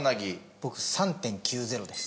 僕３．９０です。